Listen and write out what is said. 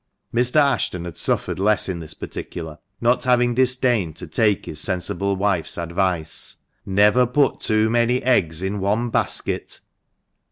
Mr. Ashton had suffered less in this particular, not having disdained to take his sensible wife's advice — "Never put too many eggs in one basket."